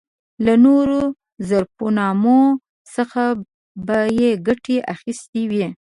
له نورو ظفرنامو څخه به یې ګټه اخیستې وي.